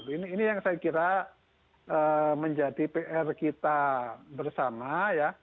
ini yang saya kira menjadi pr kita bersama ya